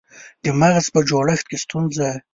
د مغز په جوړښت کې ستونزه